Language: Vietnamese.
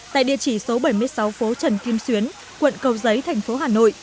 tại địa chỉ số bảy mươi sáu phố trần kim xuyến quận cầu giấy thành phố hà nội